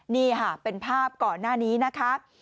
นี่ค่ะเป็นภาพก่อนหน้านี้นะคะ